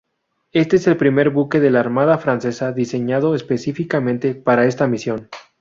Este es el primer buque de la Armada francesa diseñado específicamente para esta misión.